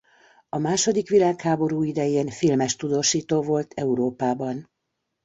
A második világháború idején filmes tudósító volt Európában.